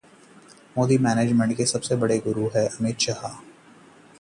Modi management के 'सबसे बड़े गुरु' हैं अमित शाह...